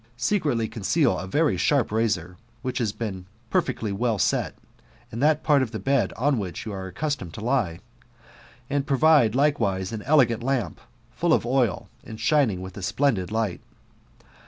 Secretly conceal a very sharp razor, which has been perfectly well set, in that part of the bed on which you are accustomed to lie ; and provide likewise an elegant lamp, full of oil, and shining with a splendid light.